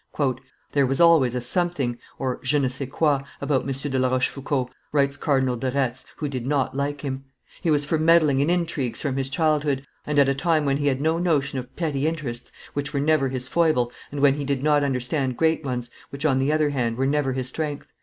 "There was always a something (je ne sais quoi) about M. de La Rochefoucauld," writes Cardinal de Retz, who did not like him; "he was for meddling in intrigues from his childhood, and at a time when he had no notion of petty interests, which were never his foible, and when he did not understand great ones, which, on the other hand, were never his strength.